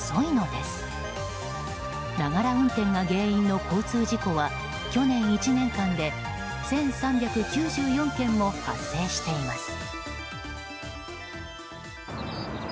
ながら運転が原因の交通事故は去年１年間で１３９４件も発生しています。